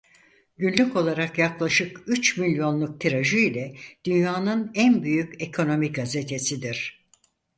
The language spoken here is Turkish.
Günlük olarak yaklaşık üç milyonluk tirajı ile dünyanın en büyük ekonomi gazetesidir.